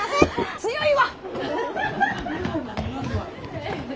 強いわ！